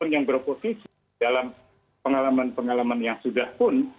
yang beroposisi dalam pengalaman pengalaman yang sudah pun